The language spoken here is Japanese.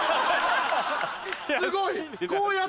すごい。